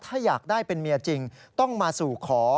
ถ้าอยากได้เป็นเมียจริงต้องมาสู่ขอ